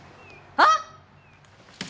あっ。